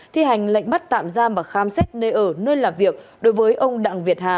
thi hành lệnh bắt giam và khám xét nơi ở nơi làm việc đối với ông đặng việt hạ